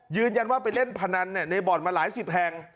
ยืนยันว่าไปเล่นพนันในบ่อนมาหลายสิบแห่ง